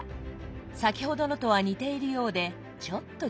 先ほどのとは似ているようでちょっと違います。